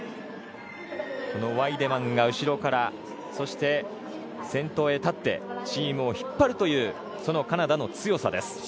ワイデマンが後ろからそして先頭へ立ってチームを引っ張るというカナダの強さです。